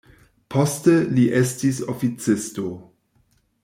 Poste li estis oficisto.